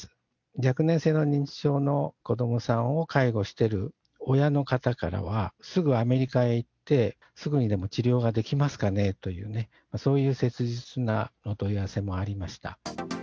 若年性の認知症の子どもさんを介護している親の方からは、すぐアメリカへ行って、すぐにでも治療ができますかねという、そういう切実なお問い合わせもありました。